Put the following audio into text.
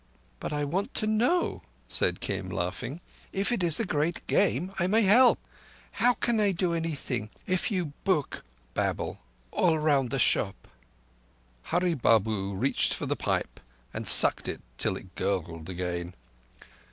"But I want to know," said Kim, laughing. "If it is the Game, I may help. How can I do anything if you bukh (babble) all round the shop?" Hurree Babu reached for the pipe, and sucked it till it gurgled again.